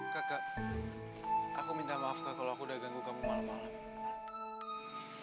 kaka aku minta maaf kak kalau aku udah ganggu kamu malem malem